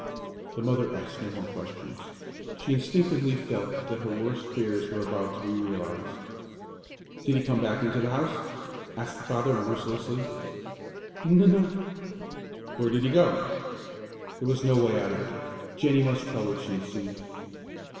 The mother asked no more questions. She instinctively felt that her worst fears were about to be realized. "Did he come back into the house?" asked the father, mercilessly. "N no." "Where did he go?" There was no way out of it. Jennie must tell what she had seen.